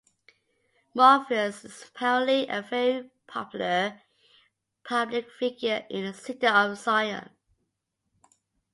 Morpheus is apparently a very popular public figure in the city of Zion.